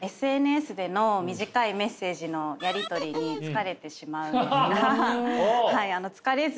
ＳＮＳでの短いメッセージのやり取りに疲れてしまうんです。